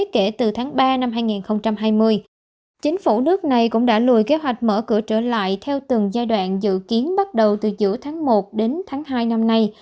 kể từ tháng ba năm hai nghìn hai mươi chính phủ nước này cũng đã lùi kế hoạch mở cửa trở lại theo từng giai đoạn dự kiến bắt đầu từ giữa tháng một đến tháng hai năm nay